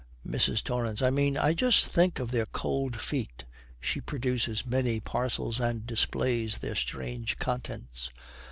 MRS. TORRANCE. 'I mean, just think of their cold feet.' She produces many parcels and displays their strange contents.